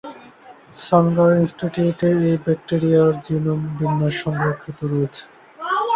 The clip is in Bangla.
স্যাঙ্গার ইনস্টিটিউটে এই ব্যাকটেরিয়ার জিনোম বিন্যাস সংরক্ষিত রয়েছে।